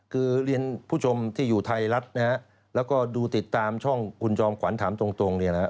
คือเรียนผู้ชมที่อยู่ไทยรัฐนะฮะแล้วก็ดูติดตามช่องคุณจอมขวัญถามตรงเนี่ยนะฮะ